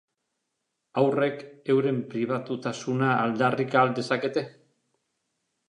Haurrek euren pribatutasuna aldarrika al dezakete?